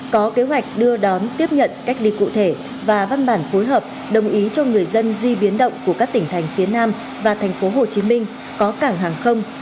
có kế hoạch đưa đón tiếp nhận cách ly cụ thể và văn bản phối hợp đồng ý cho người dân di biến động của các tỉnh thành phía nam và tp hcm có cảng hàng không